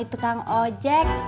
sama tukang ojek